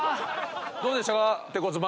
どうでしたか？